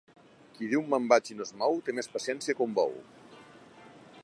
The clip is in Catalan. Qui diu me'n vaig i no es mou, té més paciència que un bou.